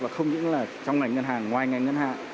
và không những là trong ngành ngân hàng ngoài ngành ngân hàng